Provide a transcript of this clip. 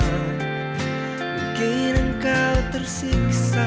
mungkin engkau tersiksa